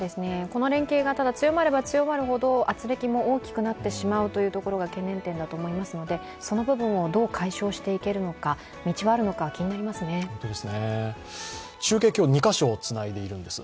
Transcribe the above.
この連携が強まれば強まるほどあつれきが強まってしまうということも懸念点だと思いますので、その部分をどう解消していけるのか、中継、今日は２カ所、つないであります。